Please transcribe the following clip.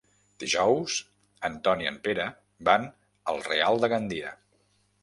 Dijous en Ton i en Pere van al Real de Gandia.